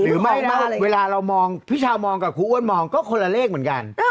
ไม่เวลาเรามองพี่ชาวมองกับครูอ้วนมองก็คนละเลขเหมือนกัน